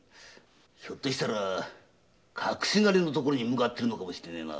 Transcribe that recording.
ひょっとしたら隠し金の所に向かっているのかもしれねえな。